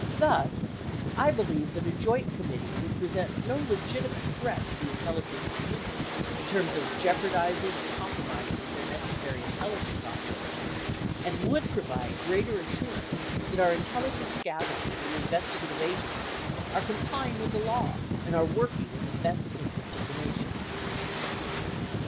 Thus, I believe that a joint com mittee would present no legitimate threat to the intelligence com munity in terms of jeopardizing or compromising their necessary in telligence operations, and would provide greater assurance that our intelligence gathering and investigative agencies are complying with the law and are working in the best interest of the Nation.